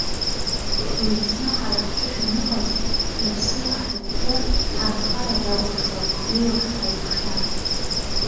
Шәеицны ҳара ҳҿы шәаныҟаз, иԥсы ахьыхәхәо, ҳанхара дахәаԥшуан, илаԥш аиркхьан.